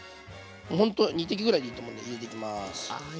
ほんと２滴ぐらいでいいと思うんで入れていきます。